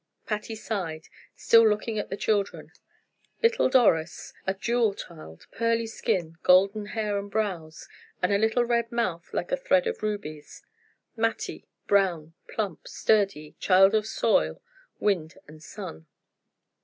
Patty sighed, still looking at the children. Little Doris, a jewel child, pearly skin, golden hair and brows, and a little red mouth like a thread of rubies; Mattie, brown, plump, sturdy, child of soil, wind, and sun.